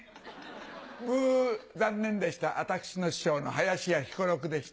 ブ残念でした私の師匠の林家彦六でした。